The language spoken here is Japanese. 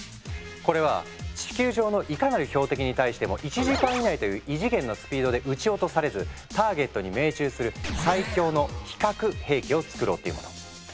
これは地球上のいかなる標的に対しても１時間以内という異次元のスピードで撃ち落とされずターゲットに命中する最強の非核兵器を作ろうっていうもの。